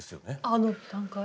あの段階？